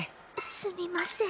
すみません。